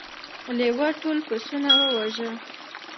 لیوه ټول پسونه وواژه.